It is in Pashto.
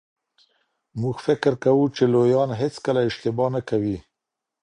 موږ فکر کوو چي لویان هیڅکله اشتباه نه کوي.